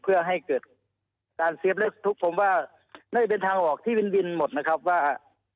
เพื่อให้เกิดการเซฟและทุกข์ผมว่าน่าจะเป็นทางออกที่วินวินหมดนะครับว่า